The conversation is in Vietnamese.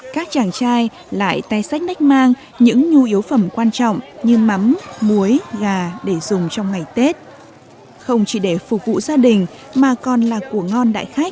các chàng trai lại tay sách nách mang những nhu yếu phẩm quan trọng như mắm muối gà để dùng trong ngày tết không chỉ để phục vụ gia đình mà còn là của ngon đại khách